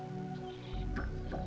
bertambahkan kecemasan ban